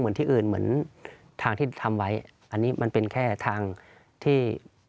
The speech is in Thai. เหมือนที่อื่นเหมือนทางที่ทำไว้อันนี้มันเป็นแค่ทางที่